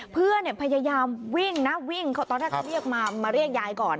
เพื่อนพยายามวิ่งนะตอนนั้นเขาเรียกมาเรียกยายก่อน